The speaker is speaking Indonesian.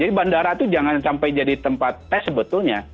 jadi bandara itu jangan sampai jadi tempat tes sebetulnya